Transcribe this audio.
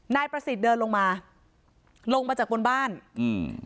นายประสิทธิ์เดินลงมาลงมาจากบนบ้านอืม